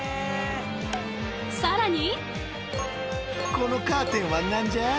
さらに。